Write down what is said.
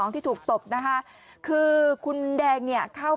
ไม่รู้อะไรกับใคร